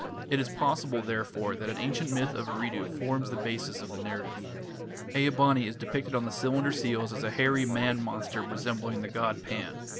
It is possible, therefore, that an ancient myth of Eridu forms the basis of the narrative. Ea bani is depicted on the cylinder seals as a hairy man monster resembling the god Pan.